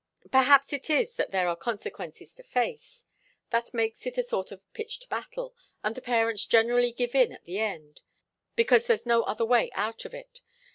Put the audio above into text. Perhaps it is that there are consequences to face that makes it a sort of pitched battle, and the parents generally give in at the end, because there's no other way out of it.